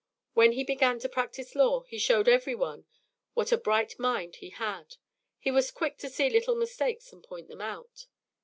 When he began to practise law, he showed every one what a bright mind he had. He was quick to see little mistakes and point them out.